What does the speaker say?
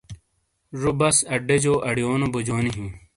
ڙو بس اڈا جو اڑیونو بوجونی ہی۔